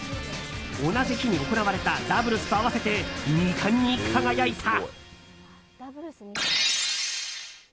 同じ日に行われたダブルスと合わせて２冠に輝いた。